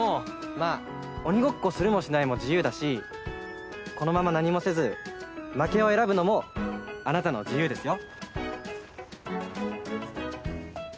まあ鬼ごっこするもしないも自由だしこのまま何もせず負けを選ぶのもあなたの自由ですよ。